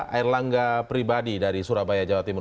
air langga pribadi dari surabaya jawa timur